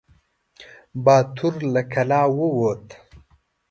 باتور له کلا ووت.